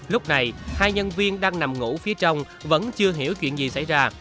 lúc này hai nhân viên đang nằm ngủ phía trong vẫn chưa hiểu chuyện gì xảy ra